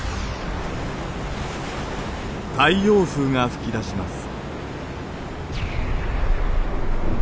太陽風が噴き出します。